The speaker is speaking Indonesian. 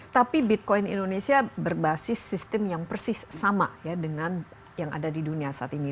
tapi bitcoin indonesia berbasis sistem yang persis sama ya dengan yang ada di dunia saat ini